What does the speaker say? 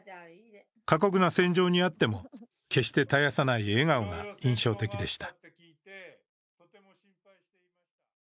過酷な戦場にあっても、決して絶やさない笑顔が印象的でした。